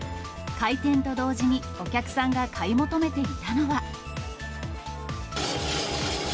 開店と同時に、お客さんが買い求めていたのは。